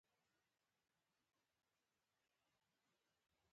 دا جوړښت د کلاسیک عصر بنسټ کېښود